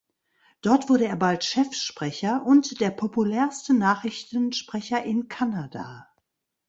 Dort wurde er bald Chefsprecher und der populärste Nachrichtensprecher in Kanada.